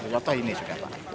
loh toh ini sudah pak